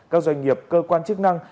các doanh nghiệp cơ quan chức năng